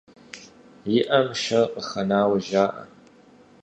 И Ӏэм шэр къыхэнауэ жаӀэ.